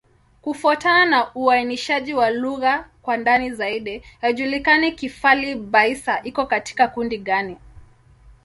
Kufuatana na uainishaji wa lugha kwa ndani zaidi, haijulikani Kifali-Baissa iko katika kundi gani.